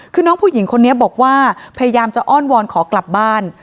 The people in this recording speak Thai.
คือน้องผู้หญิงคนนี้บอกว่าพยายามจะอ้อนวอนขอกลับบ้าน